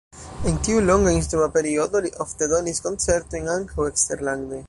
En tiu longa instrua periodo li ofte donis koncertojn ankaŭ eksterlande.